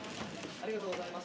ありがとうございます。